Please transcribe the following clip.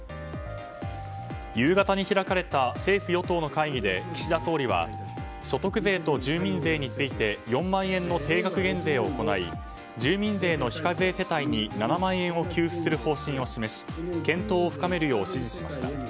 夕方に開かれた政府・与党の会議で岸田総理は所得税と住民税について４万円の定額減税を行い住民税の非課税世帯に７万円を給付する方針を示し検討を深めるよう指示しました。